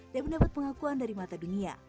mendapat pengakuan dari mata dunia